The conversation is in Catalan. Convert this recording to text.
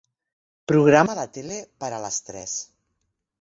Programa la tele per a les tres.